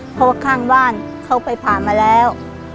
เพราะว่าข้างบ้านเขาไปผ่ามาแล้ว